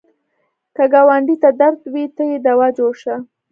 که ګاونډي ته درد وي، ته یې دوا جوړ شه